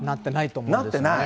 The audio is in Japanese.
なってない？